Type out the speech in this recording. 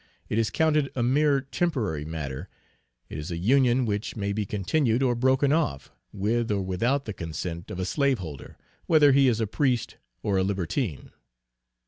It is counted a mere temporary matter; it is a union which may be continued or broken off, with or without the consent of a slaveholder, whether he is a priest or a libertine.